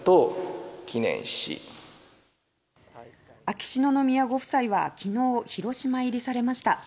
秋篠宮ご夫妻は、昨日広島入りされました。